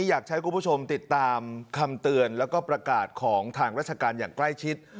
อยากให้คุณผู้ชมติดตามคำเตือนแล้วก็ประกาศของทางราชการอย่างใกล้ชิด